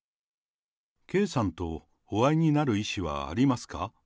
圭さんとお会いになる意思はありますか。